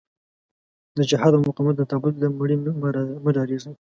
د جهاد او مقاومت د تابوت له مړي مه ډارېږئ.